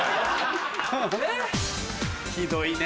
ひどいね。